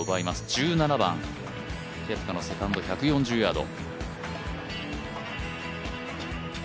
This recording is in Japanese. １７番、ケプカのセカンド１４０ヤード。